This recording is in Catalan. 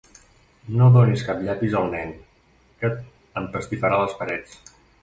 No donis cap llapis al nen, que empastifarà les parets.